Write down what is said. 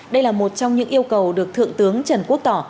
đây là một trong những yêu cầu được thượng tướng trần quốc tỏ